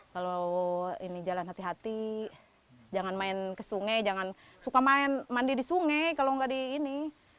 kalau ini jalan hati hati jangan main ke sungai jangan suka main mandi di sungai kalau nggak di ini